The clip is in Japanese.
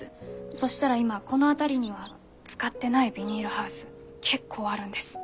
そしたら今この辺りには使ってないビニールハウス結構あるんです。